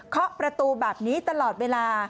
เคาะประตูแบบนี้ตลอดเวลา